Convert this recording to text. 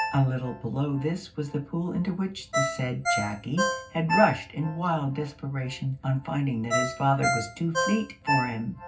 A little below this was the pool into which the said Jacky had rushed in wild desperation on finding that his father was too fleet for him.